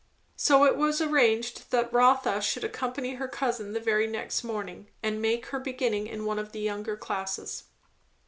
So it was arranged that Rotha should accompany her cousin the very next morning, and make her beginning in one of the younger classes.